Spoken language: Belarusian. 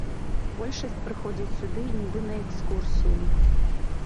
Большасць прыходзіць сюды нібы на экскурсію.